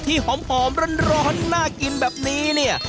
หอมร้อนน่ากินแบบนี้เนี่ย